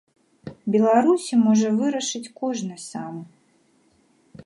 Беларусі можа вырашыць кожны сам.